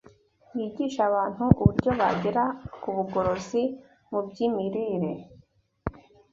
yigishe abantu uburyo bagera ku bugorozi mu by’imirire